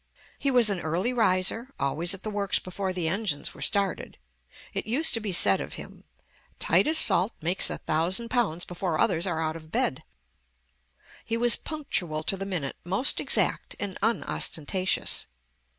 He was an early riser, always at the works before the engines were started. It used to be said of him, "Titus Salt makes a thousand pounds before others are out of bed." He was punctual to the minute, most exact, and unostentatious.